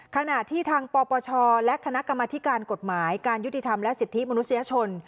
ขณะที่ทางปปชและคณะกรรมธิการกฎหมายการยุติธรรมและสิทธิมนุษยชน